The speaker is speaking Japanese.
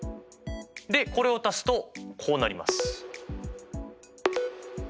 でこれを足すとこうなります。